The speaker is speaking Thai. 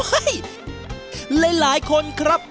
เฮ้ยหลายคนครับ